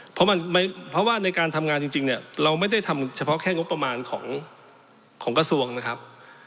เพราะว่าในการทำงานจริงเนี่ยเราไม่ได้ทำเฉพาะแค่งบประมาณของกระทรวงนะครับ